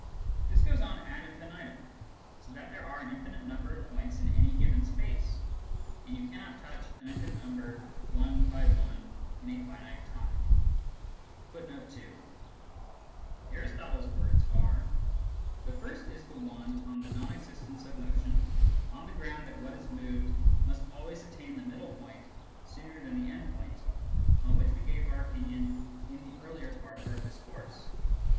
This goes on ad infinitum^ so that there are an infinite number of points in any given space^ and you cannot touch an infinite number one by one in a finite time."* Zeno appeals here, in the first place, to the fact that > op. ciL, p. 367. * Aristotle's words arc :" The first is the one on the non existence of motion on the ground that what is moved must always attain the middle point sooner than the end point, on which we gave our opinion in the earlier part of our discourse."